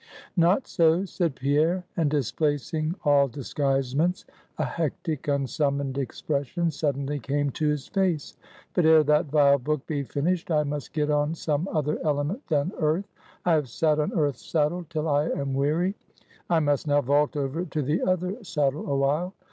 "Not so," said Pierre; and, displacing all disguisements, a hectic unsummoned expression suddenly came to his face; "but ere that vile book be finished, I must get on some other element than earth. I have sat on earth's saddle till I am weary; I must now vault over to the other saddle awhile.